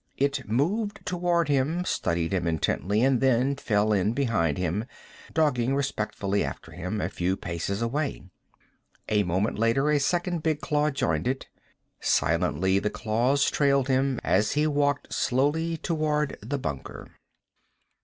It moved toward him, studied him intently, and then fell in behind him, dogging respectfully after him, a few paces away. A moment later a second big claw joined it. Silently, the claws trailed him, as he walked slowly toward the bunker.